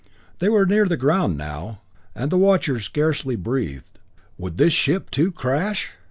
They were near the ground now and the watchers scarcely breathed. Would this ship, too, crash?